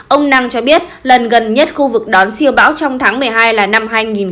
ông nam cho biết lần gần nhất khu vực đón siêu bão trong tháng một mươi hai là năm hai nghìn một mươi